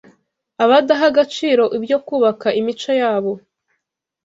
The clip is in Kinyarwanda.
abadaha agaciro ibyo kubaka imico yabo